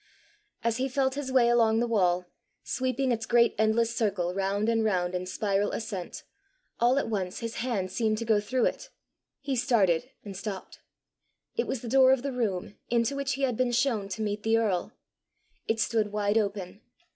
As he felt his way along the wall, sweeping its great endless circle round and round in spiral ascent, all at once his hand seemed to go through it; he started and stopped. It was the door of the room into which he had been shown to meet the earl! It stood wide open.